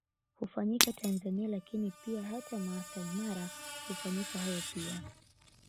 Hufanyika Tanzania lakini pia hata Maasai Mara hufanyika hayo pia